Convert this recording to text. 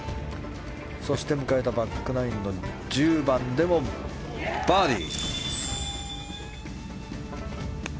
そして迎えた、バックナインの１０番でもバーディー。